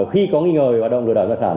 khi có nghi ngờ về hoạt động lùi đoàn vật sản